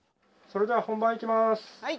それでは本番いきます。